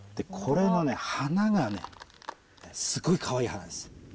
これの花がね、すごいかわいい花です。